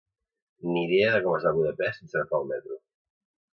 Ni idea de com es va a Budapest sense agafar el metro.